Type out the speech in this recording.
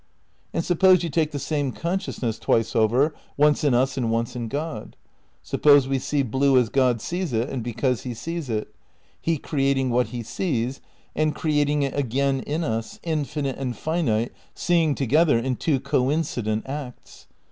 And suppose you take the same consciousness twice over, once in us and once in God. Suppose we see blue as God sees it and because he sees it ; he creating what he sees and creating it again in us, infinite and finite seeing together in two coincident acts.